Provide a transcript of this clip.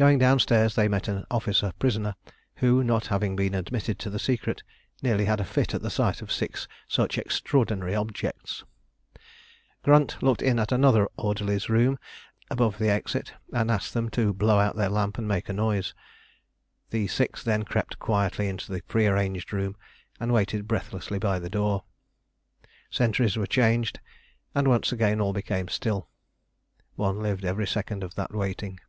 Going downstairs they met an officer prisoner, who, not having been admitted to the secret, nearly had a fit at the sight of six such extraordinary objects. Grunt looked in at another orderlies' room above the exit, and asked them to blow out their lamp and make a noise. The six then crept quietly into the prearranged room, and waited breathlessly by the door. Sentries were changed, and once again all became still. One lived every second of that waiting.